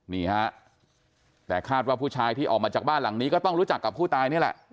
นี่ฮะแต่คาดว่าผู้ชายที่ออกมาจากบ้านหลังนี้ก็ต้องรู้จักกับผู้ตายนี่แหละ